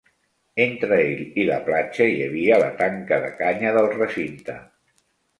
Entre ell i la platja hi havia la tanca de canya del recinte.